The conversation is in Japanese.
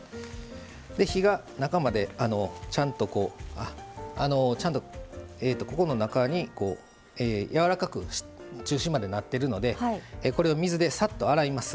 火が中まで、ここの中にやわらかく中心までなっているので水でさっと洗います。